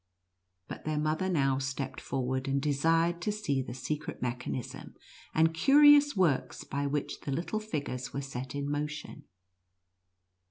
But their mother now stepped forward, and desired to see the secret mechanism and curious works by which the little figures were set in motion.